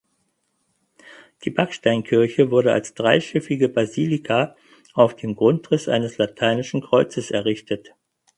Die Backsteinkirche wurde als dreischiffige Basilika auf dem Grundriss eines lateinischen Kreuzes errichtet.